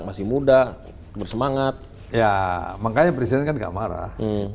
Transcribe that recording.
masih muda bersemangat ya makanya berikan kemarah